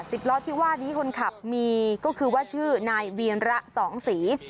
สิบล้อที่ว่านี้คนขับมีก็คือว่าชื่อนายเวียนระสองศรี